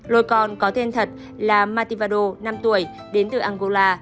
lôi con có tên thật là mattivardo năm tuổi đến từ angola